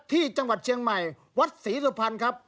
ที่จังหวัดเชียงใหม่วัดศรีสุพรรณครับ